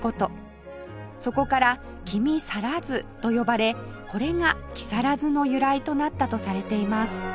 そこから「君去らず」と呼ばれこれが「木更津」の由来となったとされています